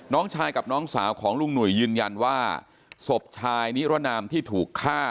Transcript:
น้องชายกับน้องสาวของลุงหนุ่ยยืนยันว่าศพชายนิรนามที่ถูกฆ่า